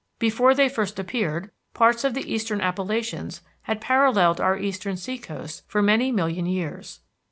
Before they first appeared, parts of the Eastern Appalachians had paralleled our eastern sea coast for many million years.